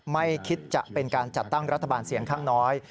ไม่คิดจะเป็นการจัดตั้งรัฐบาลเสียงข้างน้อย